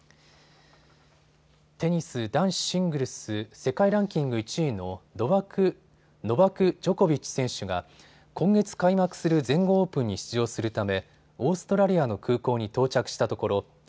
テニス男子シングルス世界ランキング１位のノバク・ジョコビッチ選手が今月開幕する全豪オープンに出場するためオーストラリアの空港に到着したところ